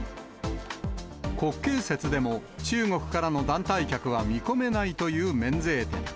国慶節でも、中国からの団体客は見込めないという免税店。